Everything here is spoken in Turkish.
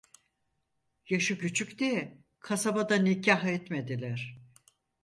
Yaşı küçük diye kasabada nikah etmediler.